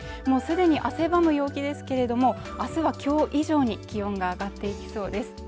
もう既に汗ばむ陽気ですけれども明日は今日以上に気温が上がっていきそうです